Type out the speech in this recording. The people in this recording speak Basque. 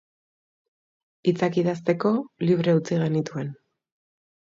Hitzak idazteko, libre utzi genituen.